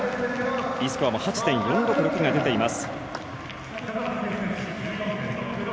Ｅスコアも８．４６６が出ています。